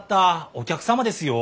お客様ですよ。